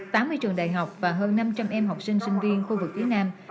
tám mươi trường đại học và hơn năm trăm linh em học sinh sinh viên khu vực phía nam